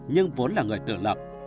nhưng vốn là người tự lập